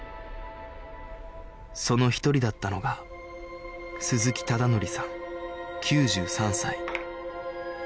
その一人だったのが鈴木忠典さん９３歳